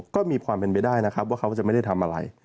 ก็มีความเป็นไปได้นะครับว่าเขาจะไม่ได้ทำอะไร